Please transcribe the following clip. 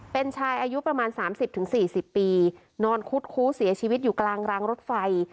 เป็นชายอายุประมาณ๓๐๔๐ปีนอนคุดคู้เสียชีวิตอยู่กลางรางรถไฟ